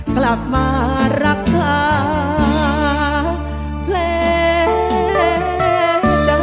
กลับมารักษาเพลงใจ